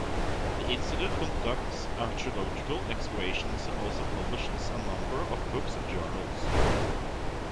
The Institute conducts archaeological excavations and also publishes a number of books and journals.